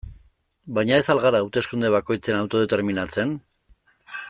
Baina ez al gara hauteskunde bakoitzean autodeterminatzen?